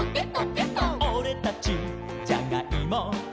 「オレたちじゃがいも」「」